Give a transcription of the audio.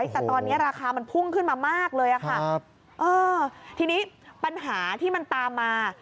แต่ตอนนี้ราคามันพุ่งขึ้นมามากเลยค่ะเออทีนี้ปัญหาที่มันตามมา